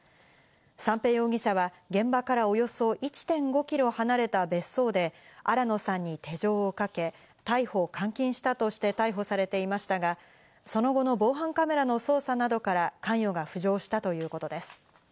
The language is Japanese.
三瓶容疑者は現場からおよそ１．５キロ離れた別荘で新野さんに手錠をかけ、逮捕監禁したとして逮捕されていましたが、その後の防犯カメラの捜査などから関与が浮上したということです。